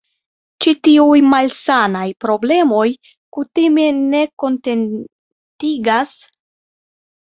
Ĉi tiuj "malsanaj" problemoj kutime ne kontentigas pri aplikoj en fiziko.